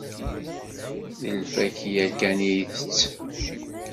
D lfakya kan i itett.